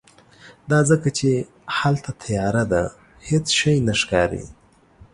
دا ځکه چې هلته تیاره ده، هیڅ شی نه ښکاری